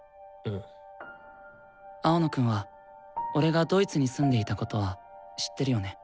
青野くんは俺がドイツに住んでいたことは知ってるよね。